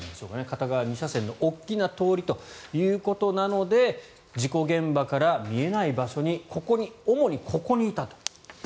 片側２車線の大きな通りということなので事故現場から見えない場所主にここにいたと。